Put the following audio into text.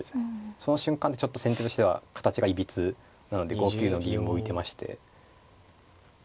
その瞬間でちょっと先手としては形がいびつなので５九の銀も浮いてまして。